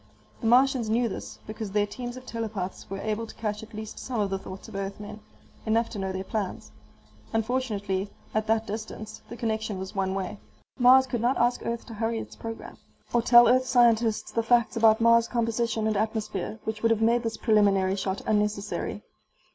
The Martians knew this, because their teams of telepaths were able to catch at least some of the thoughts of Earthmen, enough to know their plans. Unfortunately, at that distance, the connection was one way. Mars could not ask Earth to hurry its program. Or tell Earth scientists the facts about Mars' composition and atmosphere which would have made this preliminary shot unnecessary.